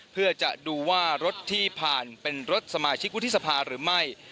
เพื่อจะดูว่ารถที่ผ่านเป็นรถสมาชิกวุฒิสภาหรือไม่